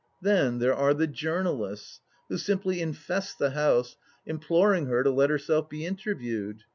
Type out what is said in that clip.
Then there are the journalists, who simply infest the house, imploring her to let herself be interviewed.